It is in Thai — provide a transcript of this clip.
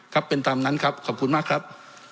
ครับเป็นตามนั้นครับขอบคุณมากครับ